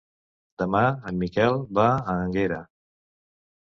Demà en Miquel va a Énguera.